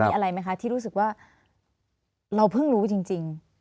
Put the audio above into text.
มีอะไรไหมคะที่รู้สึกว่าเราเพิ่งรู้จริง